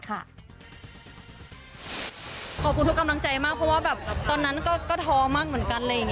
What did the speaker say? ขอบคุณทุกกำลังใจมากเพราะว่าตอนนั้นก็ท้อมากเหมือนกัน